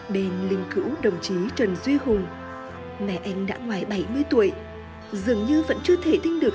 bên linh cữu đồng chí trần duy hùng mẹ anh đã ngoài bảy mươi tuổi dường như vẫn chưa thể tin được